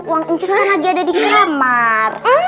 uang encis kan lagi ada di kamar